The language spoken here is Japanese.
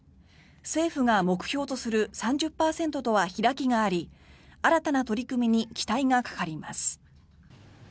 政府が目標とする３０％とは開きがあり新たな取り組みに期待がかかります。